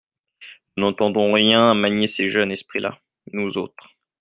Nous n’entendons rien à manier ces jeunes esprits-là, nous autres…